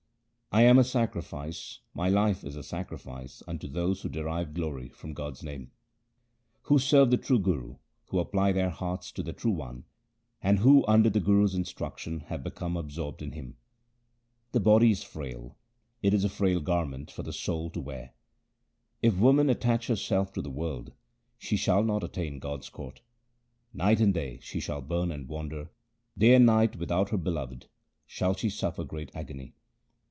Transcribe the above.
I am a sacrifice, my life is a sacrifice unto those who derive glory from God's name, Who serve the true Guru, who apply their hearts to the True One, and who under the Guru's instruction have become absorbed in Him. The body is frail ; it is a frail garment for the soul to wear. If woman attach herself to the world, she shall not attain God's court. Night and day she shall burn and wander ; day and night without her Beloved shall she suffer great agony.